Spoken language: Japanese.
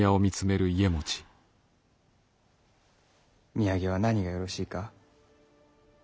土産は何がよろしいか。